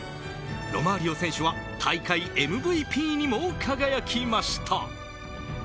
ロマーリオ選手は大会ＭＶＰにも輝きました。